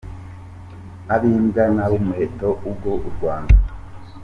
rwe: ab’imbwa n’ab’umuheto. Ubwo u Rwanda